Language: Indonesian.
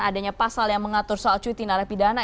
adanya pasal yang mengatur soal cuti narapidana